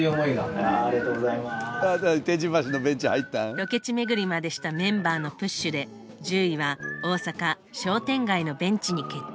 ロケ地巡りまでしたメンバーのプッシュで１０位は「大阪商店街のベンチ」に決定。